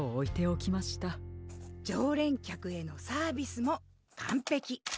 じょうれんきゃくへのサービスもかんぺき。